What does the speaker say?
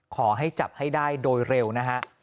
ขอให้จับให้ได้โดยเร็วนะฮะ